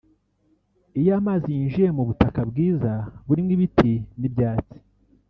“Iyo aya mazi yinjiye mu butaka bwiza burimo ibiti n’ibyatsi